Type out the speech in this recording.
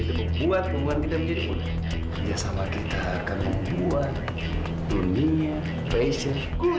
ketukup tangan kau veo rintang aku